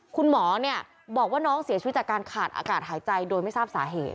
คุณหมอบอกว่าน้องเสียชีวิตจากการขาดอากาศหายใจโดยไม่ทราบสาเหตุ